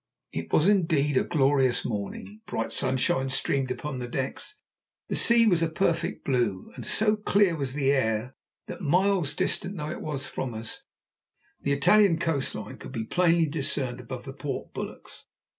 It was indeed a glorious morning; bright sunshine streamed upon the decks, the sea was a perfect blue, and so clear was the air that, miles distant though it was from us, the Italian coast line could be plainly discerned above the port bulwarks.